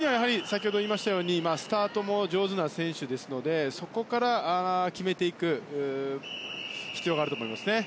それには先ほど言いましたようにスタートも上手な選手ですのでそこから決めていく必要があると思いますね。